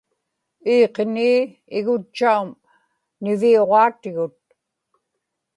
iiqinii, igutchaum niviuġaatigut